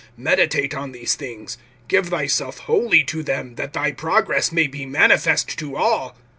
(15)Meditate on these things[4:15]; give thyself wholly to them; that thy progress may be manifest to all.